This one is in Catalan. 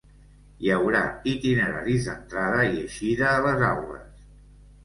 Hi haurà itineraris d’entrada i eixida a les aules.